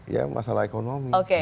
ya masalah ekonomi